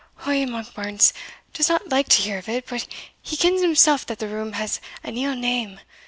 "Ou, Monkbarns does not like to hear of it but he kens himsell that the room has an ill name.